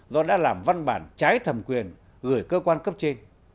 do đã làm văn bản trái thẩm quyền gửi cơ quan cấp trên